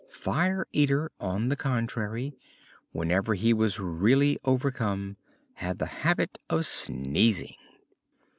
Fire Eater, on the contrary, whenever he was really overcome, had the habit of sneezing.